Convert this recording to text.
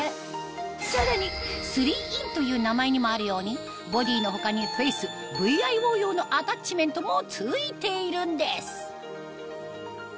さらに「３ｉｎ」という名前にもあるようにボディの他にフェイスＶＩＯ用のアタッチメントも付いているんです